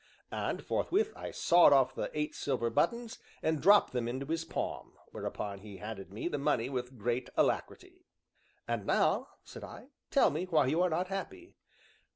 And, forthwith, I sawed off the eight silver buttons and dropped them into his palm, whereupon he handed me the money with great alacrity. "And now," said I, "tell me why you are not happy."